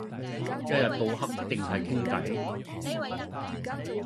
一日到黑淨係傾計